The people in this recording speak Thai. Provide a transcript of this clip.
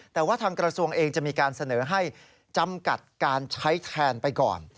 แต่ว่าทางกระทรวงเองจะมีการเสนอให้จำกัดการใช้แทนไปก่อน